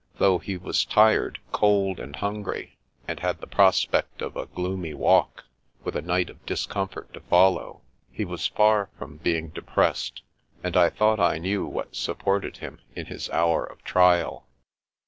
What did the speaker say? Though he was tired, cold, and hun gry, and had the prospect of a gloomy walk, with a night of discomfort to follow, he was far from being depressed; and I thought I knew what sup ported him in his hour of trial.